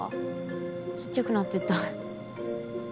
ちっちゃくなってった。